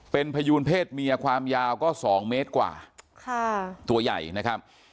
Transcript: เป็นพยูนเพศเมียความยาวก็สองเมตรกว่าค่ะตัวใหญ่นะครับ